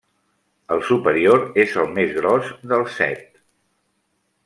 El superior és el més gros dels set.